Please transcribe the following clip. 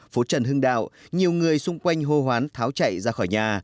phố trần hưng đạo nhiều người xung quanh hô hoán tháo chạy ra khỏi nhà